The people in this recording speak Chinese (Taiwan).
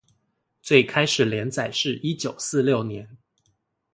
最開始連載是一九四六年